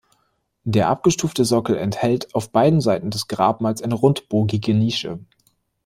Der abgestufte Sockel enthält auf beiden Seiten des Grabmals eine rundbogige Nische.